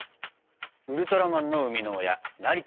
ウルトラマンの生みの親成田亨さん。